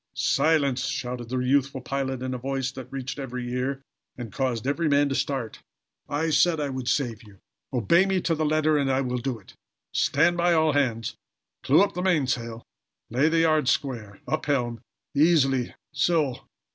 "Silence!" shouted the youthful pilot, in a voice that reached every ear, and caused every man to start. "I said I would save you. Obey me to the letter and I will do it. Stand by, all hands! Clew up the mainsail! Lay the yards square! Up helm! Easily! So!"